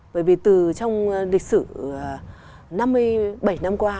bởi vì từ trong lịch sử năm mươi bảy năm qua